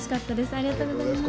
ありがとうございます。